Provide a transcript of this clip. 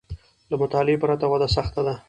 له مطالعې پرته وده سخته ده